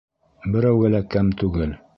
Берәүгә лә кәм түгел!